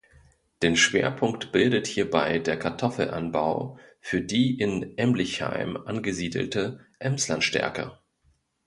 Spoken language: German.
Den Schwerpunkt bildet hierbei der Kartoffelanbau für die in Emlichheim angesiedelte Emsland-Stärke.